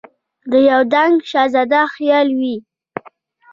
د یو دنګ شهزاده خیال وي